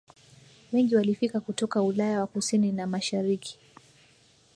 wengi walifika kutoka Ulaya ya Kusini na Mashariki